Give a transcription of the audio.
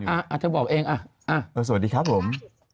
อ่ะเธอบอกเองอ่ะสวัสดีครับผม